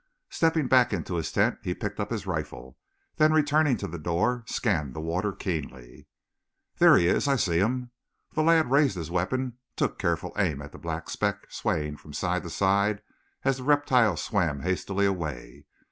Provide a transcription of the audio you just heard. Stepping back into his tent, he picked up his rifle, then returning to the door, scanned the water keenly. "There he is. I see him." The lad raised his weapon, took careful aim at the black speck swaying from side to side as the reptile swam hastily away.